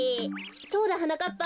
そうだはなかっぱ。